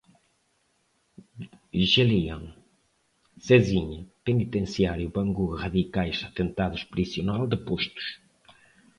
Geleião, Cesinha, Penitenciário, Bangu, radicais, atentados, prisional, depostos